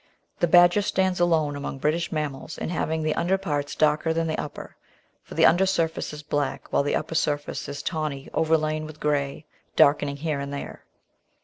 The Badger stands alone among British mammals in having the under parts darker than the upper, for the under surface is black while the upper surface is tawny, overlain with grey, darkening here and there.